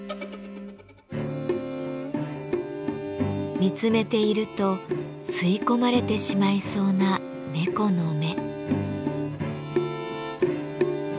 見つめていると吸い込まれてしまいそうな猫の目。